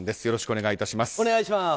よろしくお願いします。